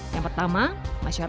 yang pertama masyarakat